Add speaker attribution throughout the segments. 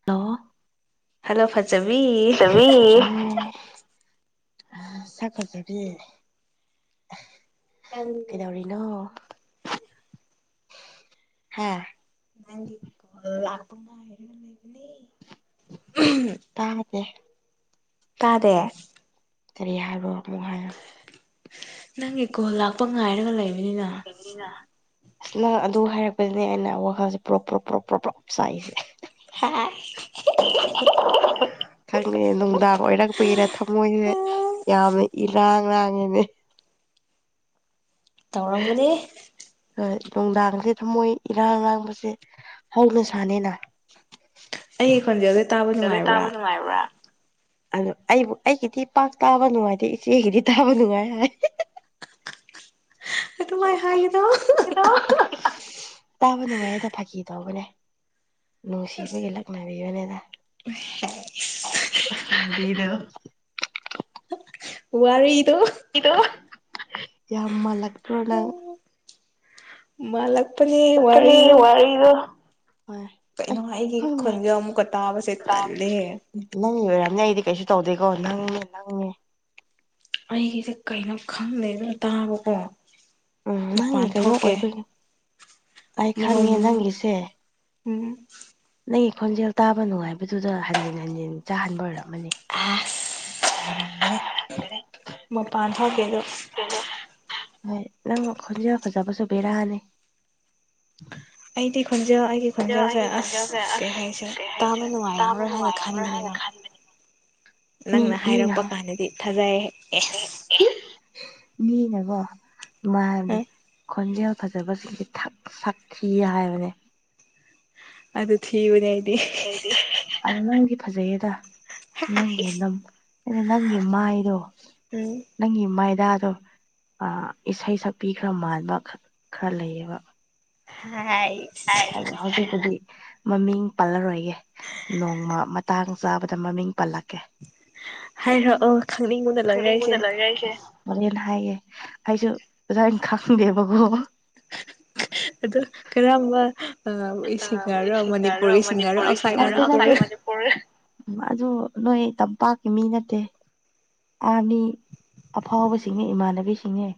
Speaker 1: [unintelligible]
Speaker 2: ꯍꯜꯂ ꯐꯖ ꯆꯃꯤ
Speaker 1: ꯆꯕꯤ ꯁꯛ ꯐꯆꯕꯤ ꯀꯩꯗꯧꯔꯤꯅꯣ ꯍꯥ
Speaker 2: [unintelligible]
Speaker 1: ꯇꯥꯗꯦ
Speaker 2: ꯇꯥꯗꯦ
Speaker 1: ꯀꯔꯤ ꯍꯥꯏꯕꯣ ꯑꯃꯨꯛ ꯍꯥꯏ
Speaker 2: ꯅꯪꯒꯤ ꯀꯣꯜ ꯂꯥꯛꯄ ꯉꯥꯏꯔꯒ ꯂꯩꯕꯅꯤꯅ
Speaker 1: ꯂꯩꯅ ꯑꯁ ꯅꯪ ꯑꯗꯨ ꯍꯥꯏꯔꯛꯄꯁꯤꯅꯦ ꯑꯩꯅ ꯋꯥꯈꯜꯁꯦ [unintelligible]
Speaker 2: ꯍꯥꯥ
Speaker 1: ꯊꯪꯅꯤ ꯅꯨꯡꯗꯥ ꯂꯣꯏꯔꯛ ꯄꯥꯒꯤꯔꯥ ꯊꯃꯣꯏꯁꯦ ꯌꯥꯝꯅ ꯏꯂꯥꯡ ꯂꯥꯡꯉꯦꯅꯦ
Speaker 2: ꯇꯧꯔꯝꯕꯗꯤ
Speaker 1: ꯍꯣꯏ ꯅꯨꯡꯗꯥꯡꯁꯦ ꯊꯃꯣꯏ ꯏꯔꯥꯡ ꯂꯥꯡꯕꯁꯦ ꯍꯧꯅ ꯁꯅꯤꯅ ꯑꯗꯨꯗ ꯇꯥꯕ ꯅꯨꯡꯉꯥꯏꯕ ꯑꯗꯨ ꯑꯩꯕꯨ ꯑꯩꯒꯤꯗꯤ ꯄꯥꯛ ꯇꯥꯕ ꯅꯨꯡꯉꯥꯏꯇꯦ ꯏꯆꯦꯒꯤꯗꯤ ꯇꯥꯕ ꯅꯨꯡꯉꯥꯏ ꯍꯥꯏ
Speaker 2: [unintelligible]
Speaker 1: [unintelligible] ꯇꯥꯕ ꯅꯨꯡꯉꯥꯏꯗ ꯐꯥꯀꯤ ꯇꯧꯕꯅꯦ ꯅꯨꯡꯁꯤꯕꯒꯤꯂꯛ [unintelligible]
Speaker 2: ꯍꯦꯏꯖ [inaudible]
Speaker 1: [unintelligible]
Speaker 2: ꯄꯨꯋꯥꯔꯤꯗꯣ
Speaker 1: ꯗꯣ ꯌꯥꯝ ꯃꯥꯜꯂꯛꯇ꯭ꯔꯣ ꯅꯪ
Speaker 2: ꯃꯥꯂꯛ ꯄ
Speaker 1: [unintelligible] ꯋꯥꯔꯤꯗꯨ
Speaker 2: ꯀꯩꯅꯣ ꯑꯩꯒꯤ ꯈꯟꯖ ꯑꯃꯨꯛꯀ ꯇꯥꯕꯁꯦ ꯇꯜꯂꯦ
Speaker 1: ꯅꯪꯒꯤ ꯑꯣꯏꯔꯝꯅꯦ ꯑꯩꯗꯤ ꯀꯩꯁꯨ ꯇꯧꯗꯦꯀꯣ ꯅꯪꯅꯦ ꯅꯪꯅꯦ
Speaker 2: ꯑꯩꯒꯤꯁꯦ ꯀꯩꯅꯣ ꯈꯪꯗꯦꯗ ꯇꯥꯕꯀꯣ
Speaker 1: ꯎꯝ ꯅꯪꯒꯤ ꯀꯩꯅꯣ ꯑꯣꯏꯕꯒꯤ ꯑꯩ ꯈꯪꯉꯦ ꯅꯪꯒꯤꯁꯦ
Speaker 2: ꯎꯝ
Speaker 1: ꯅꯪ ꯈꯣꯟꯖꯦꯜ ꯇꯥꯕ ꯅꯨꯡꯉꯥꯏꯕꯗꯨꯗ ꯍꯟꯖꯤꯟ ꯍꯟꯖꯤꯟ ꯇꯥꯍꯟꯕ ꯑꯣꯏꯔꯝꯃꯅꯤ
Speaker 2: ꯑꯁ ꯋꯥꯔꯝꯒꯅꯤ ꯃꯄꯥꯟ ꯊꯣꯛꯀꯦꯗ
Speaker 1: ꯍꯣꯏ ꯅꯪ ꯈꯣꯟꯖꯦꯜ ꯐꯖꯕꯁꯨ ꯕꯦꯔꯥꯅꯤ
Speaker 2: ꯑꯩꯗꯤ ꯈꯣꯟꯖꯦꯜ ꯑꯩꯒꯤ ꯈꯣꯟꯖꯦꯜꯁꯦ ꯑꯁ ꯀꯩ ꯍꯥꯏꯁꯤꯔ ꯇꯥꯕ ꯅꯨꯡꯉꯥꯏꯔꯝꯃꯔꯣꯏ ꯍꯥꯏꯅ ꯈꯟꯕꯅꯦꯕ ꯅꯪꯅ ꯍꯥꯏꯔꯛꯄ ꯀꯥꯟꯗꯗꯤ ꯊꯥꯖꯩꯌꯦ
Speaker 1: ꯃꯤꯅꯦꯀꯣ ꯃꯥꯅꯦ ꯈꯣꯟꯖꯦꯜ ꯐꯖꯕꯁꯤꯡꯁꯦꯛ ꯁꯛꯈꯤ ꯍꯥꯏꯕꯅꯦ
Speaker 2: ꯑꯗꯨ ꯊꯤꯕꯅꯦ ꯍꯥꯏꯗꯤ
Speaker 1: ꯑ ꯅꯪꯗꯤ ꯐꯖꯩꯌꯦꯗ ꯅꯪꯒꯤ [unintelligible] ꯅꯪꯒꯤ ꯃꯥꯏꯗꯣ
Speaker 2: ꯎꯝ
Speaker 1: ꯅꯪꯒꯤ ꯃꯣꯏꯗꯥꯗꯣ ꯏꯁꯩ ꯁꯛꯄꯤ ꯈꯔ ꯃꯥꯟꯕ ꯈꯔ ꯂꯩꯌꯦꯕ
Speaker 2: ꯍꯥꯏ
Speaker 1: ꯍꯧꯖꯤꯛꯄꯨꯗꯤ ꯃꯃꯤꯡ ꯄꯜꯂꯔꯣꯏꯒꯦ ꯅꯣꯡꯃ ꯃꯇꯥꯡ ꯆꯥꯕꯗ ꯃꯃꯤꯡ ꯄꯜꯂꯛꯀꯦ ꯈꯪꯅꯤꯡꯕꯅ ꯂꯣꯏꯔꯦ ꯑꯩꯁꯦ ꯍꯣꯔꯦꯟ ꯍꯥꯏꯒꯦ ꯑꯩꯁꯨ ꯉꯁꯥꯏꯅ ꯈꯪꯗꯦꯕꯀꯣ
Speaker 2: ꯑꯗꯣ ꯀꯔꯝꯕ ꯑ ꯁꯤꯡꯒꯔ ꯃꯅꯤꯄꯨꯔꯤ ꯁꯤꯡꯒꯔꯔꯣ ꯑꯥꯎꯠꯁꯥꯏꯠ ꯃꯅꯤꯄꯨꯔꯔ
Speaker 1: ꯎꯝ ꯑꯗꯨ ꯅꯣꯏ ꯇꯝꯄꯥꯛꯀꯤ ꯃꯤ ꯅꯠꯇꯦ ꯑꯥ ꯃꯤ ꯑꯐꯥꯎꯕꯁꯤꯡꯅꯦ ꯏꯃꯥꯟꯅꯕꯤꯁꯤꯡꯅꯦ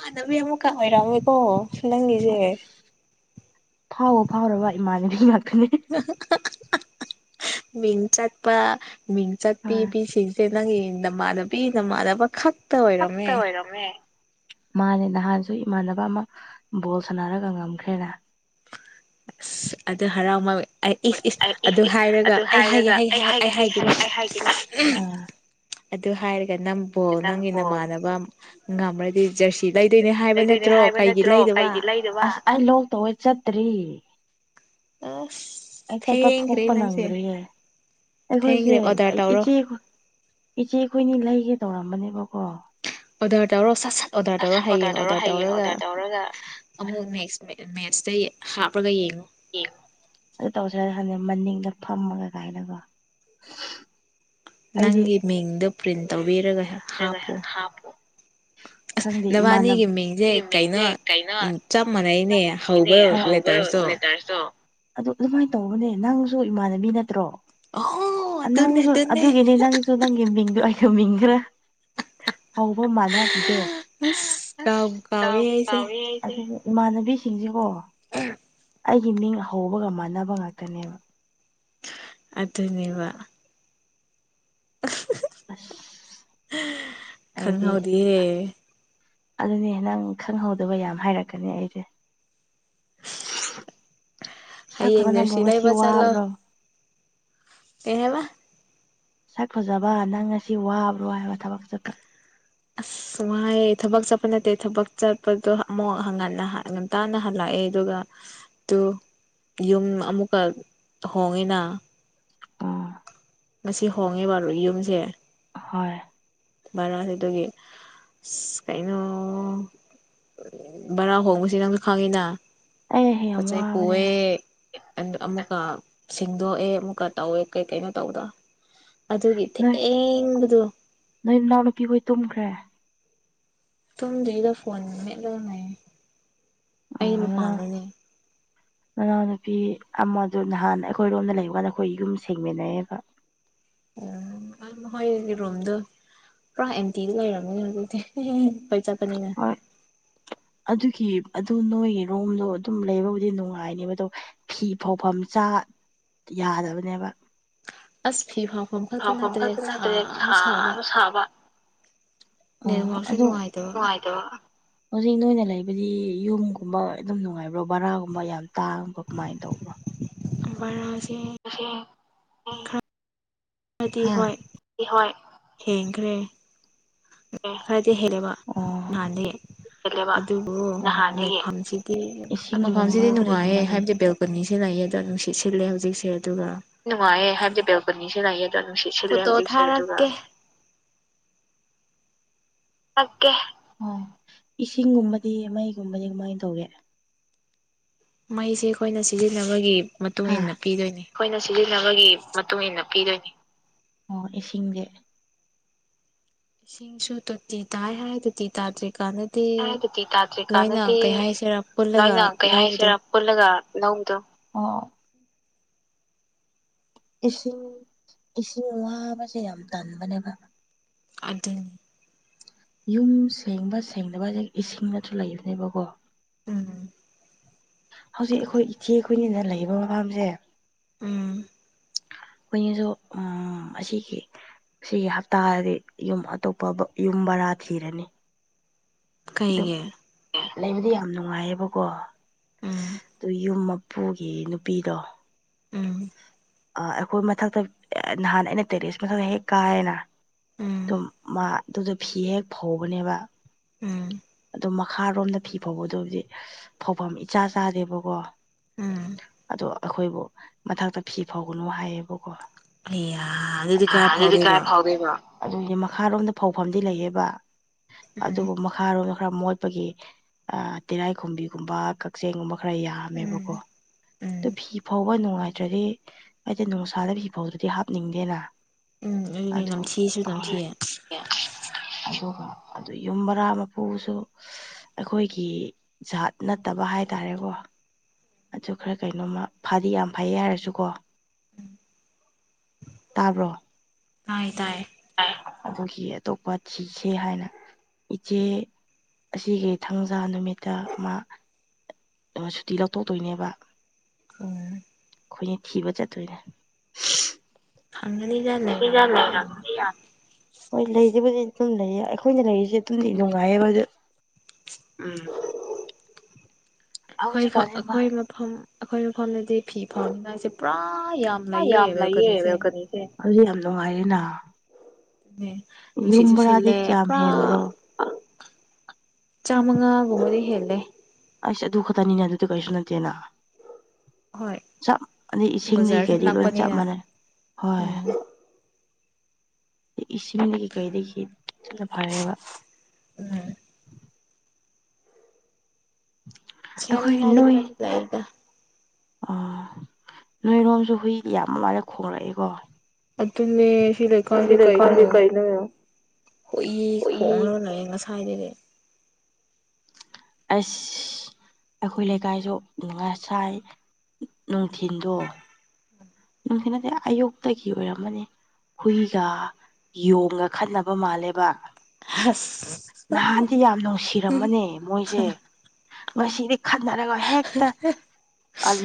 Speaker 2: ꯃꯥꯟꯅꯕꯤ ꯑꯃꯨꯛꯀ ꯑꯣꯏꯔꯝꯅꯤꯀꯣ ꯅꯪꯒꯤꯁꯦ
Speaker 1: ꯐꯥꯎꯕ ꯐꯥꯎꯔꯕ ꯏꯃꯥꯟꯅꯕꯤ ꯉꯥꯛꯇꯅꯦ
Speaker 2: ꯃꯤꯡ ꯆꯠꯄ ꯃꯤꯡ ꯆꯠꯄꯤ ꯃꯤꯁꯤꯡꯁꯦ ꯅꯪꯒꯤ ꯅꯃꯥꯅꯕꯤ ꯅꯥꯃꯥꯟꯅꯕ ꯈꯛ
Speaker 1: ꯄꯛꯇ ꯑꯣꯏꯔꯝꯃꯦ ꯃꯥꯅꯦ ꯅꯍꯥꯟꯁꯨ ꯏꯃꯥꯟꯅꯕ ꯑꯃ ꯕꯣꯜ ꯁꯥꯟꯅꯔꯒ ꯉꯝꯈ꯭ꯔꯦꯅ
Speaker 2: ꯑꯁ ꯑꯗ ꯍꯔꯥꯎꯃꯟ ꯑꯩ ꯏꯁ ꯏꯁ ꯑꯗꯨ ꯍꯥꯏꯔꯒ ꯑꯩ ꯍꯥꯏꯒꯦ ꯍꯥꯏꯒꯦ ꯍꯥꯏ ꯑꯩ ꯍꯥꯏꯒꯦ ꯑꯗꯨ ꯍꯥꯏꯔꯒ ꯅꯪꯕꯨ ꯅꯪꯒꯤ ꯅꯃꯥꯟꯅꯕ ꯉꯝꯔꯗꯤ ꯖꯔꯁꯤ ꯂꯩꯗꯣꯏꯅꯦ ꯍꯥꯏꯕ ꯅꯠꯇ꯭ꯔꯣ ꯀꯩꯒꯤ ꯂꯩꯗꯕ
Speaker 1: ꯑꯩ ꯂꯣꯛ ꯇꯧꯏ ꯆꯠꯇ꯭ꯔꯦ
Speaker 2: ꯑꯁ
Speaker 1: ꯑꯩ ꯆꯠꯊꯣꯛꯄ ꯉꯝꯗ꯭ꯔꯤꯌꯦ ꯑꯩꯈꯣꯏꯁꯦ ꯑꯩ ꯏꯆꯦ ꯏꯆꯦꯈꯣꯏꯅꯤ ꯂꯩꯒꯦ ꯇꯧꯔꯝꯕꯅꯦꯕꯀꯣ
Speaker 2: ꯑꯣꯔꯗꯔ ꯇꯧꯔꯣ ꯁꯠ ꯁꯠ ꯑꯣꯔꯗꯔ ꯇꯧꯔꯣ ꯍꯌꯦꯡ ꯑꯣꯔꯗꯔ ꯇꯧꯔꯒ ꯑꯃꯨꯛ ꯅꯦꯛꯁ ꯃꯦꯠꯁꯇ ꯍꯥꯞꯄꯒ ꯌꯦꯡꯉꯨ
Speaker 1: ꯑꯗꯨ ꯇꯧꯁꯤꯔ ꯈꯪꯗ ꯃꯅꯤꯡꯗ ꯐꯝꯃꯒ ꯑꯗꯨꯃꯥꯏꯅꯀꯣ
Speaker 2: ꯅꯪꯒꯤ ꯃꯤꯡꯗ ꯄ꯭ꯔꯤꯟ ꯇꯧꯕꯤꯔꯒ
Speaker 1: ꯒ ꯍꯥꯞꯄꯣ ꯈꯪꯗꯦ ꯏꯃꯥꯟꯅꯕꯒꯤ ꯃꯤꯡꯁꯦ ꯀꯩꯅꯣ ꯎꯅꯦ ꯑꯗꯨ ꯑꯗꯨꯃꯥꯏꯅ ꯇꯧꯕꯅꯦ ꯅꯪꯁꯨ ꯏꯃꯥꯟꯅꯕꯤ ꯅꯠꯇ꯭ꯔꯣ ꯅꯪꯁꯨ ꯑꯗꯨꯒꯤꯅꯤ ꯅꯪꯁꯨ ꯅꯪꯒꯤ ꯃꯤꯡꯗꯣ ꯑꯩꯗ ꯃꯤꯡꯈ꯭ꯔ ꯍꯧꯕ ꯃꯥꯅꯔꯤꯗꯣ ꯏꯃꯥꯟꯅꯕꯤꯁꯤꯡꯁꯤꯀꯣ
Speaker 2: ꯎꯝ
Speaker 1: ꯑꯩꯒꯤ ꯃꯤꯡ ꯍꯧꯕꯒ ꯃꯥꯟꯅꯕ ꯉꯥꯛꯇꯅꯦꯕ
Speaker 2: ꯑꯗꯨꯅꯦꯕ ꯑ [unintelligible]
Speaker 1: ꯑꯁ
Speaker 2: ꯈꯪ ꯍꯧꯗꯤꯑꯦ
Speaker 1: ꯑꯗꯨꯅꯦ ꯅꯪ ꯈꯪꯍꯧꯗꯕ ꯌꯥꯝ ꯍꯥꯏꯔꯛꯀꯅꯤ ꯑꯩꯗꯤ ꯁꯛꯄꯅ ꯅꯝꯕꯣ ꯉꯁꯤ ꯋꯥꯕ꯭ꯔꯣ
Speaker 2: ꯀꯩ ꯍꯥꯏꯕ
Speaker 1: ꯁꯛ ꯐꯖꯕ ꯅꯪ ꯉꯁꯤ ꯋꯥꯕ꯭ꯔꯣ ꯍꯥꯏꯕ ꯊꯕꯛ ꯆꯠꯄ
Speaker 2: ꯑꯁ ꯋꯥꯥꯏꯌꯦ ꯊꯕꯛ ꯆꯠꯄ ꯅꯠꯇꯦ ꯊꯕꯛ ꯆꯠꯄꯗꯣ ꯑꯃꯨꯛ ꯍꯪꯒꯠ ꯍꯟꯗꯥ ꯇꯥꯅ ꯍꯜꯂꯛꯑꯦ ꯑꯗꯨꯒ ꯇꯨ ꯌꯨꯝ ꯑꯃꯨꯛꯀ ꯍꯣꯡꯉꯤꯅ ꯉꯁꯤ ꯍꯣꯡꯉꯦꯕ ꯌꯨꯝꯁꯦ
Speaker 1: ꯍꯣꯏ
Speaker 2: ꯚꯔꯥꯁꯦ ꯑꯗꯨꯒꯤ ꯑꯁ ꯀꯩꯅꯣ ꯕꯔꯥ ꯍꯣꯡꯕꯁꯤ ꯅꯪꯁꯨ ꯈꯪꯉꯤꯅ ꯄꯣꯠ ꯆꯩ ꯄꯨꯑꯦ ꯑꯗ ꯑꯃꯨꯛꯀ ꯁꯦꯡꯗꯣꯛꯑꯦ ꯑꯃꯨꯛꯀ ꯇꯧꯋꯦ ꯀꯩ ꯀꯩꯅꯣ ꯇꯧꯕꯗꯣ ꯑꯗꯨꯒꯤ ꯊꯦꯡꯕꯗꫭ
Speaker 1: ꯅꯣꯏ ꯅꯅꯥꯎ ꯅꯨꯄꯤ ꯍꯣꯏ ꯇꯨꯝꯈ꯭ꯔꯦ
Speaker 2: ꯇꯨꯝꯗ꯭ꫪꯤꯗ ꯐꯣꯟ ꯃꯦꯠꯂꯒ ꯂꯩ ꯑꯩ ꯃꯄꯥꯟꯗ ꯂꯩ
Speaker 1: [unintelligible] ꯃꯅꯥꯎꯅꯨꯄꯤ ꯑꯃꯗꯨ ꯅꯍꯥꯟ ꯑꯩꯈꯣꯏꯔꯣꯝꯗ ꯂꯩꯕ ꯀꯥꯟꯗ ꯑꯩꯈꯣꯏ ꯌꯨꯝ ꯁꯦꯡꯃꯤꯟꯅꯩꯌꯦꯕ
Speaker 2: ꯎꯝ ꯑꯗꯨꯝ ꯍꫭꯏ ꯔꯨꯝꯗꯨ ꯄꯨꯔꯥ ꯑꯦꯟꯇꯤꯗ ꯂꯩꯔꯝꯃꯤꯅꯤ ꯍꫭꯏ ꯆꯠꯄꯅꯤꯅ
Speaker 1: ꯑꯗꯨꯒꯤ ꯑꯗꯨ ꯅꯣꯏꯒꯤ ꯔꯣꯝꯗꯣ ꯑꯗꯨꯝ ꯂꯩꯕꯕꯨꯗꯤ ꯅꯨꯡꯉꯥꯏꯅꯦꯕ ꯑꯗꯣ ꯐꯤ ꯐꯧꯐꯝ ꯆꯥ ꯌꯥꯗꯕꯅꯦꯕ ꯄꯥꯐꯝ ꯐꯖꯅꯠꯇ꯭ꯔꯦ ꯁꯥꯅ ꯁꯥꯕ ꯑ ꯑꯗꯨ ꯅꯨꯡꯉꯥꯏꯇꯕ ꯍꯧꯖꯤꯛ ꯅꯣꯏꯅ ꯂꯩꯕꯗꯤ ꯌꯨꯝꯒꯨꯝꯕ ꯑꯗꯨꯝ ꯅꯨꯡꯉꯥꯏꯕ꯭ꯔꯣ ꯕꯔꯥꯒꯨꯝꯕ ꯌꯥꯝ ꯇꯥꯡꯕ ꯀꯃꯥꯏꯅ ꯇꯧꯕ꯭ꯔꯣ
Speaker 2: ꯚꯔꯥꯁꯦ
Speaker 1: [unintelligible]
Speaker 2: ꯑꯗꯨꯗꯤ ꯍꯣꯏ ꯍꯦꯡꯈ꯭ꯔꯦ ꯈꯔꯗꯤ ꯍꯦꯜꯂꯕ ꯅꯍꯥꯟꯗꯩ ꯑꯗꯨꯕꯨ ꯂꯩꯐꯝꯁꯤꯗꯤ ꯃꯐꯝꯁꯤꯗꯤ ꯅꯨꯡꯉꯥꯏꯌꯦ ꯍꯥꯏꯕꯗꯤ ꯕꯦꯜ ꯄꯨꯨꯟꯅꯤꯁꯤ ꯂꯩꯌꯦ ꯑꯗꯣ ꯅꯨꯡꯁꯤꯠ ꯁꯤꯠꯂꯦ ꯍꯧꯖꯤꯛꯁꯦ ꯑꯗꯨꯒ
Speaker 1: ꯅꯨꯡꯉꯥꯏꯌꯦ ꯍꯥꯏꯕꯗꯤ ꯕꯦꯜꯀꯅꯤꯁꯨ ꯂꯩꯌꯦ ꯑꯗꯣ ꯅꯨꯡꯁꯤꯠ ꯁꯤꯠꯂꯦ ꯍꯧꯖꯤꯛꯁꯦ ꯑꯗꯨꯒ [inaudible] ꯑꯞꯀꯦ ꯑꯝ ꯏꯁꯤꯡꯒꯨꯝꯕꯗꯤ ꯃꯩꯒꯨꯝꯕꯗꯤ ꯀꯃꯥꯏꯅ ꯇꯧꯒꯦ
Speaker 2: ꯃꯩꯁꯦ ꯑꯩꯈꯣꯏꯅ ꯁꯤꯖꯤꯟꯅꯕꯒꯤ ꯃꯇꯨꯡ ꯏꯟꯅ ꯄꯤꯗꯣꯏꯅꯤ
Speaker 1: ꯑꯩꯈꯣꯏꯅ ꯁꯤꯖꯤꯟꯅꯕꯒꯤ ꯃꯇꯨꯡ ꯏꯟꯅ ꯄꯤꯗꯣꯏꯅꯤ ꯑꯣ ꯏꯁꯤꯡꯖ‌ꯦ
Speaker 2: ꯏꯁꯤꯡꯁꯨ ꯇꯣꯇꯤ ꯇꯥꯏ ꯍꯥꯏ ꯇꯣꯇꯤ ꯇꯥꯗ꯭ꯔꯤ ꯀꯥꯟꯗ ꯗꯤ ꯂꯣꯏꯅ ꯀꯩ ꯍꯥꯏꯁꯤꯔꯥ ꯄꯨꯜꯂꯒ ꯂꯧꯕꯗꯣ
Speaker 1: ꯄꯨꯜꯂꯒ ꯂꯧꯕꯗꯣ ꯑꫭ ꯏꯁꯤꯡ ꯏꯁꯤꯡ ꯋꯥꯕꯁꯦ ꯌꯥꯝ ꯇꯟꯕꯅꯦꯕ
Speaker 2: ꯑꯗꯨꯅꯤ
Speaker 1: ꯌꯨꯝ ꯁꯦꯡꯕ ꯁꯦꯡꯗꯕꯖ‌ꯦ ꯏꯁꯤꯡ ꯅꯁꯨ ꯂꯩꯕꯅꯦꯕꯀꯣ
Speaker 2: ꯎꯝ
Speaker 1: ꯍꯧꯖꯤꯛ ꯑꯩꯈꯣꯏ ꯏꯆꯦ ꯑꯩꯈꯣꯏꯅꯤꯅ ꯂꯩꯔꯤꯕ ꯃꯐꯝꯁꯦ
Speaker 2: ꯎꯝ
Speaker 1: ꯑꯩꯈꯣꯏꯅꯤꯖꯨ ꯎꯝ ꯑꯁꯤꯒꯤ ꯁꯤꯒꯤ ꯍꯞꯇꯥꯗꯤ ꯌꯨꯝ ꯑꯇꯣꯞꯄꯥꯕ ꯌꯨꯝ ꯕꯔꯥ ꯊꯤꯔꯅꯤ
Speaker 2: ꯀꯩꯒꯤ
Speaker 1: ꯂꯩꯕꯗꯤ ꯌꯥꯝ ꯅꯨꯡꯉꯥꯏꯌꯦꯕꯀꯣ ꯑꯗꯨ ꯌꯨꯝ ꯃꯄꯨꯒꯤ ꯅꯨꯄꯤꯗꯣ
Speaker 2: ꯎꯝ
Speaker 1: ꯑꯥ ꯑꯩꯈꯣꯏ ꯃꯊꯛꯇ ꯅꯍꯥꯟ ꯑꯩꯅ ꯇꯦꯔꯁ ꯃꯊꯛꯇ ꯍꯦꯛ ꯀꯥꯏꯌ‌ꯦꯅ ꯑꯗꯨꯝ ꯃꯥ ꯑꯗꯨꯗ ꯐꯤ ꯍꯦꯛ ꯐꯧꯕꯅꯦꯕ
Speaker 2: ꯎꯝ
Speaker 1: ꯑꯗꯨ ꯃꯈꯥꯔꯣꯝꯗ ꯐꯤ ꯐꯥꯎꯕꯗꯣꯕꯗꯤ ꯐꯧꯐꯝ ꯏꯆꯥ ꯆꯥꯗꯦꯕꯀꯣ ꯑꯗꯣ ꯑꯩꯈꯣꯏꯕꯨ ꯃꯊꯛꯇ ꯐꯤ ꯐꯥꯎꯒꯅꯨ ꯍꯥꯏꯌꯦꯕꯀꯣ ꯍꯥ ꯑꯗꯨꯗꯤ ꯀꯥꯏ [unintelligible] ꯑꯗꯨꯗꯤ ꯃꯈꯥꯔꯣꯝꯗ ꯐꯧꯐꯝꯗꯤ ꯂꯩꯌꯦꯕ ꯑꯗꯨꯕꯨ ꯃꯈꯥꯔꯣꯝꯗ ꯈꯔ ꯃꯣꯠꯄꯒꯤ ꯑ ꯇꯤꯔꯥꯏꯈꯨꯝꯕꯤꯒꯨꯝꯕ ꯀꯛꯆ‌ꯦꯡꯒꯨꯝꯕ ꯈꯔ ꯌꯥꯝꯃꯦꯕꯀꯣ ꯑꯗꯨ ꯐꯤ ꯐꯧꯕ ꯅꯨꯡꯉꯥꯏꯇ꯭ꯔꯗꯤ ꯍꯥꯏꯗꯤ ꯅꯨꯡꯁꯥꯗ ꯐꯤ ꯐꯧꯗ꯭ꯔꯗꯤ ꯍꯥꯞꯅꯤꯡꯗꯦꯅ ꯑꯗꯣ ꯍꯣꯏ ꯑꯗꯨꯒ ꯑꯗꯨꯏ ꯌꯨꯝ ꯕꫪꯥꯃꯨꯛ ꯄꯨꯕꯁꯨ ꯑꯩꯈꯣꯏꯒꯤ ꯖꯥꯠ ꯅꯠꯇꯕ ꯍꯥꯏꯇꯥꯔꯦꯀꯣ ꯑꯗꯨ ꯈꯔ ꯀꯩꯅꯣꯝꯃ ꯐꯥꯗꯤ ꯌꯥꯝ ꯐꯩꯌꯦ ꯍꯥꯏꯔꯁꯨꯀꯣ ꯇꯥꯕ꯭ꯔꯣ
Speaker 2: ꯇꯥꯏ ꯇꯥꯏ
Speaker 1: ꯑꯗꯨꯒꯤ ꯑꯇꯣꯞꯄ ꯊꯤꯁꯦ ꯍꯥꯏꯅ ꯏꯆꯦ ꯑꯁꯤꯒꯤ ꯊꯥꯡꯖꯥ ꯅꯨꯃꯤꯠꯇ ꯃꯥ ꯁꯨꯇꯤ ꯂꯧꯊꯣꯛꯇꯣꯏꯅꯦꯕ
Speaker 2: ꯍꯝ
Speaker 1: ꯑꯩꯈꯣꯏꯅ ꯊꯤꯕ ꯆꯠꯇꯣꯏꯅꯦ
Speaker 2: ꯑꯪꯅꯤꯗꯂꯦ
Speaker 1: [unintelligible] ꯍꯣꯏ ꯂꯩꯔꯤꯕꯕꯨꯗꯤ ꯑꯗꯨꯝ ꯂꯩꯌꯦ ꯑꯩꯈꯣꯏꯅ ꯂꯩꯔꯤꯁꯦ ꯑꯗꯨꯝꯗꯤ ꯅꯨꯡꯉꯥꯏꯌꯦꯕ ꯑꯗꯨ
Speaker 2: ꯑꯩꯈꯣꯐꯥ ꯑꯩꯈꯣꯏꯅ ꯃꯐꯝ ꯑꯩꯈꯣꯏ ꯃꯐꯝꯗꯗꯤ ꯐꯤ ꯐꯪꯅꯤꯡꯉꯥꯏꯁꯦ ꯄꯨꯔꯥ ꯌꯥꯝ
Speaker 1: ꯑ ꯌꯥꯝ ꯂꯩꯌꯦ ꫪ‌ꯦꯜꯀꯅꯤꯁꯦ ꯍꯧꯖꯤꯛ ꯌꯥꯝ ꯅꯨꯡꯉꯥꯏꫪ‌ꯦꯅ ꯌꯨꯝꯕ꯭ꯔꯥꯗꯤ ꯀꯌꯥꯝ ꯍꯦꯟꯕ꯭ꯔꯣ
Speaker 2: ꯆꯥꯝꯃꯥ ꯒꯨꯝꯕꯗꯤ ꯍꯦꯜꯂꯦ
Speaker 1: ꯑꯩꯁ ꯑꯗꯨ ꯈꯛꯇꯅꯤꯅꯦ ꯑꯗꯨꯗꯤ ꯀꯩꯁꯨ ꯅꯠꯇꯦꯅ ꯆꯞ ꯃꯥꯟꯅꯩ ꯏꯁꯤꯡꯗꯤ ꯀꯩꯗꯤ ꯂꯣꯏ ꯆꯞ ꯃꯥꯟꯅꯩ ꯍꯣꯏ ꯏꯁꯤꯡꯃꯗꯒꯤ ꯀꯩꯗꯒꯤꯗꯒꯤ ꯊꯅ ꯐꯔꯦꯕ
Speaker 2: ꯎꯝ ꯈꯃꯤ ꯉꯥꯏꯗꯤ ꯄꯨꯔ ꯂꯗ
Speaker 1: ꯑꯣ ꯅꯣꯏꯔꯣꯝꯁꯨ ꯍꯨꯏꯗꯤ ꯌꯥꯝ ꯃꯥꯏꯔ ꯈꯣꯡꯂꯛꯏꯦꯀꯣ
Speaker 2: ꯑꯗꯨꯅꯦ ꯁꯤ ꯂꯩꯀꯥꯟꯁꯦ ꯀꯩꯅꯣ ꯍꯨꯏ ꯈꯣꯡꯅ ꯂꯩꯌꯦ ꯉꯁꯥꯏ ꯍꯥꯏꯥꯏꯗꯔꯦ
Speaker 1: ꯑꯁ ꯑꯩꯈꯣꯏ ꯂꯩꯀꯥꯏꯁꯨ ꯅꯨꯡꯉꯥ ꯁꯥꯏ ꯅꯨꯡꯊꯤꯤꯟꯗꯣ ꯌꯥꯝꯊ ꯅꯗꯤꯦ ꯑꯌꯨꯛꯇꯒꯤ ꯑꯣꯏꯔꯝꯃꯅꯤ ꯍꯨꯏꯒ ꯌꯣꯡꯒ ꯈꯠꯅꯕ ꯃꯥꯜꯂꯦꯕ ꯅꯍꯥꯟꯗꯤ ꯌꯥꯝ ꯅꯨꯡꯁꯤꯔꯝꯃꯅꯦ ꯃꯣꯏꯁꯦ ꯉꯁꯤꯗꯤ ꯈꯟꯅꯔꯒ ꯍꯦꯛꯇ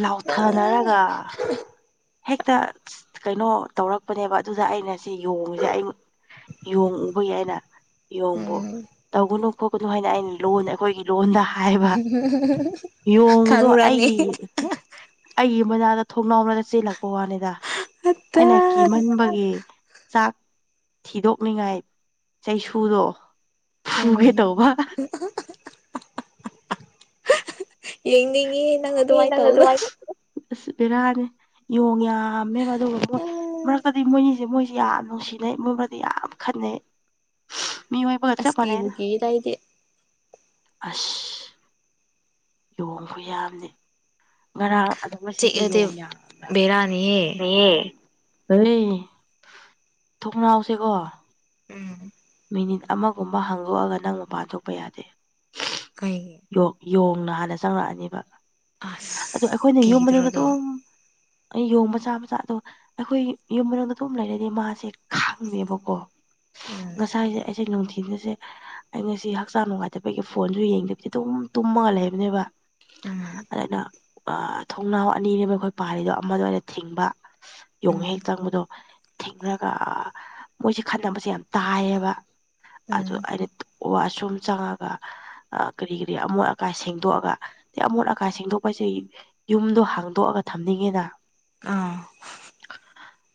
Speaker 1: ꯂꯥꯎꯊꯅꯔꯒ ꯍꯦꯛꯇ ꯀꯩꯅꯣ ꯇꯧꯔꯛꯄꯅꯦꯕ ꯑꯗꯨꯗ ꯑꯩꯅ ꯁꯤ ꯌꯣꯡꯉꯤꯁꯦ ꯑꯩ ꯌꯦꯣꯡꯉꯕ ꯍꯥꯏꯏꯅ ꯌꯦꯣꯡꯕꯣ ꯇꯧꯒꯅꯨ ꯈꯣꯠꯀꯅꯨ ꯍꯥꯏꯅ ꯑꯩꯅ ꯂꯣꯟ ꯑꯩꯈꯣꯏꯒꯤ ꯂꯣꯟꯗ ꯍꯥꯏꯕ ꯌꯣꯡꯗꯣ ꯑꯩꯒꯤ ꯑꯩꯒꯤ ꯃꯅꯥꯗ ꯊꯣꯛꯂꯥꯎꯅꯒ ꯆꯤꯜꯂꯛꯄ ꯋꯥꯅꯤꯗ ꯑꯩꯅ ꯀꯤꯃꯟꯕꯒꯤ ꯆꯥꯛ ꯊꯤꯗꯣꯛꯅꯤꯡꯉꯥꯏ ꯆꯩꯁꯨꯗꯣ
Speaker 2: ꯍꯝ [unintelligible] ꯌꯦꯡꯅꯤꯡꯉꯦ
Speaker 1: ꯑꯦ ꯅꯪ ꯑꯗꯨꯋꯥꯏ ꯑꯁ ꯕꯦꯔꯥꯅꯦ ꯌꯣꯡ ꯌꯥꯝꯃꯦꯕ ꯑꯗꯨꯒ ꯃꯣꯏ ꯃꯔꯛꯇꯗꯤ ꯃꯣꯏꯅꯤꯁꯦ ꯃꯣꯏꯁꯦ ꯌꯥꯝ ꯅꯨꯡꯁꯤꯅꯩ ꯃꯣꯏꯕꯥꯟꯅꯤ ꯌꯥꯝ ꯈꯟꯅꯩ ꯃꯤ [unintelligible] ꯆꯞ ꯃꯥꯟꯅꯩꯗ ꯑꯁ ꯌꯣꯡ ꯈꯨꯌꯥꯝꯗꯤ ꯉꯔꯥꯡ ꯑꯗꯨꯝ ꯉꯁꯤꯁꯦ ꯌꯣꯡ ꯌꯥꯝꯅ ꯍꯦ ꯑꯩꯣꯏ ꯊꯣꯡꯅꯥꯎꯁꯦꯀꯣ
Speaker 2: ꯎꯝ
Speaker 1: ꯃꯤꯅꯤꯠ ꯑꯃꯒꯨꯝꯕ ꯍꯥꯡꯗꯣꯛꯑꯒ ꯅꯪ ꯃꯄꯥꯟ ꯊꯣꯛꯄ ꯌꯥꯗꯦ
Speaker 2: ꯀꯩ
Speaker 1: ꯌꯣꯡꯅ ꯍꯥꯟꯅ ꯆꯪꯉꯛꯑꯅꯦꯕ ꯑꯗꯨꯣ ꯑꯩꯈꯣꯏꯅ ꯌꯨꯝꯕꯗꯨꯗ ꯑꯗꯨꯝ ꯑꯩ ꯌꯣꯡ ꯃꯆꯥ ꯃꯆꯥ ꯑꯗꯣ ꯑꯩꯈꯣꯏ ꯌꯨꯝ ꯃꯅꯨꯡꯗ ꯊꯝ ꯂꯩꯔꯗꯤ ꯃꯥꯁꯦ ꯈꯪꯗꯦꯕꯀꯣ
Speaker 2: ꯎꯝ
Speaker 1: ꯉꯁꯥꯏꯁꯦ ꯑꯩꯁꯦ ꯅꯨꯡꯊꯤꯜꯒꯁꯦ ꯑꯩ ꯉꯁꯤ ꯍꯛꯆꯥꯡ ꯅꯨꯡꯉꯥꯏꯇꯕꯒꯤ ꯐꯣꯟꯁꯨ ꯌꯦꯡꯗꯕꯤꯗ ꯑꯗꯨꯝ ꯇꯨꯝꯃꯒ ꯂꯩꯕꯅꯦꯕ ꯑꯗꯨꯅ ꯑꯥ ꯊꯣꯡꯅꯥꯎ ꯑꯅꯤꯅꯦꯕꯥ ꯑꯩꯈꯣꯏ ꯄꯥꯜꯂꯤꯗꯣ ꯑꯃꯅ ꯑꯣꯏꯅ ꯊꯤꯡꯕ ꯌꯣꯡ ꯍꯦꯛ ꯆꯪꯕꯗꯣ ꯊꯦꯡꯔꯒ ꯃꯣꯏꯁꯦ ꯈꯠꯅꯕꯁꯦ ꯌꯥꯝ ꯇꯥꯏꯌꯦꯕ ꯑꯗꯨ ꯑꯩꯅ ꯋꯥꯁꯔꯨꯝ ꯆꯪꯉꯥꯒ ꯑ ꯀꯔꯤ ꯀꯔꯤ ꯑꯃꯣꯠ ꯑꯀꯥꯏ ꯁꯦꯡꯗꯣꯛꯑꯒ ꯑꯃꯣꯠ ꯑꯀꯥꯏ ꯁꯦꯡꯗꯣꯛꯄꯁꯦ ꯌꯨꯝꯗꯣ ꯍꯥꯡꯗꯣꯛꯑꯒ ꯊꯝꯅꯤꯡꯉꯤꯗ
Speaker 2: ꯑꯥ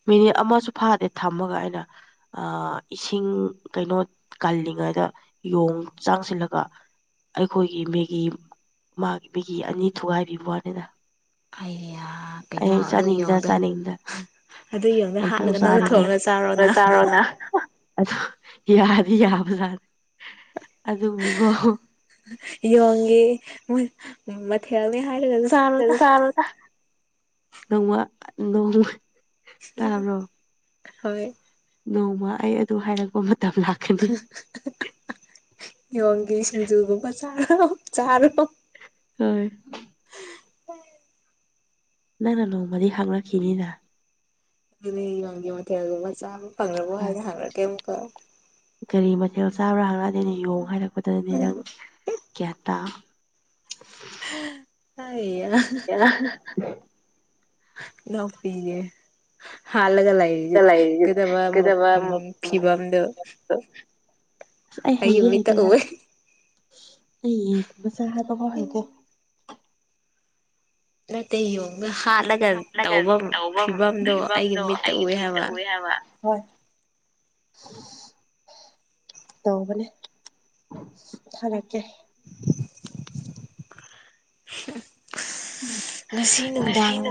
Speaker 1: ꯃꯤꯅꯤꯠ ꯑꯃꯁꯨ ꯐꯥꯗꯦ ꯊꯝꯃꯒ ꯑꯩꯅ ꯑꯥ ꯏꯁꯤꯡ ꯀꯩꯅꯣ ꯀꯜꯂꯤꯉꯩꯗ ꯌꯣꯡ ꯆꯥꯡꯁꯤꯜꯂꯒ ꯑꯩꯈꯣꯏꯒꯤ ꯃꯦꯒꯤ ꯃꯥꯒꯤ ꯃꯦꯒꯤ ꯑꯅꯤ ꯊꯨꯒꯥꯏꯕꯤꯕ ꯋꯥꯅꯤꯗ
Speaker 2: ꯑꯩꯌꯥ ꯀꯩꯅꯣ ꯑꯗꯨ ꯌꯦꯡꯗꯣ ꯑꯗꯨ ꯌꯡꯗꯣ ꯍꯥꯠꯂꯒ ꯅꯪꯅ ꯊꯣꯡꯂꯁꯤ
Speaker 1: ꯆꯥꯔꯣꯅ ꯑꯗꯣ ꯌꯥꯗꯤ ꯌꯥꯕꯖꯥꯠꯅꯦ ꯑꯗꯨꯕꯨꯀꯣ
Speaker 2: ꯌꯣꯡꯒꯤ ꯃꯊꯦꯜꯅꯦ ꯍꯥꯏꯔꯒ
Speaker 1: [unintelligible] ꯅꯣꯡꯃ ꯅꯣꯡꯃ
Speaker 2: ꯍꯣꯏ
Speaker 1: ꯅꯣꯡꯃ ꯑꯩ ꯑꯗꯨ ꯍꯥꯏꯔꯛꯄ ꯃꯇꯝ ꯂꯥꯛ
Speaker 2: [unintelligible] ꯌꯣꯡꯒꯤ ꯁꯤꯡꯖꯨ ꯆꯥꯔꯣ ꯆꯥꯔꯣ
Speaker 1: ꯍꯣꯏ ꯅꯪꯅ ꯅꯣꯡꯃꯗꯤ ꯍꯪꯂꯛꯈꯤꯅꯤꯅ
Speaker 2: ꯑꯗꯨꯅꯦ ꯌꯣꯡꯒꯤ ꯃꯊꯦꯜꯒꯨꯝꯕ ꯆꯥꯕ ꯐꯪꯉꯕꯣ ꯍꯥꯏꯅ ꯍꯡꯂꯛꯀꯦ ꯑꯃꯨꯛꯀ
Speaker 1: ꯀꯔꯤ ꯃꯊꯦꯜ ꯆꯥꯕ꯭ꯔꯥ ꯍꯥꯏꯂꯛꯑꯗꯤ ꯑꯩꯅ ꯌꯣꯡ ꯍꯥꯏꯔꯛꯄꯗꯗꯤ ꯅꯪ ꯒ꯭ꯌꯥꯟ ꯇꯥꯎ
Speaker 2: [unintelligible]
Speaker 1: [unintelligible]
Speaker 2: ꯏꯅꯥꯎꯄꯤꯅꯦ ꯍꯥꯠꯒ ꯂꯩ ꯀꯗꯧꯕ ꯑꯃꯨꯛ ꯎꯝ ꯐꯤꯕꯝꯗꯣ
Speaker 1: ꯑꯁ ꯑꯩ ꯍꯩꯗꯤ ꯍꯩꯇꯦꯗꯥ ꯑꯩꯌꯦ ꯃꯆꯥ ꯍꯩꯇꯦ [unintelligible] ꯇꯧꯕ ꯐꯤꯕꯝꯗꯣ ꯑꯩꯒꯤ ꯃꯤꯠꯇꯥ ꯎꯏ ꯍꯥꯏꯕ ꯍꯣꯏ ꯇꯧꯕꯅꯦ ꯊꯥꯔꯛꯀꯦ
Speaker 2: [unintelligible] [unintelligible] ꯉꯁꯤ ꯅꯨꯡꯗꯥꯡ